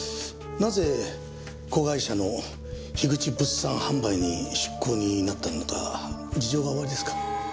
なぜ子会社の口物産販売に出向になったのか事情がおありですか？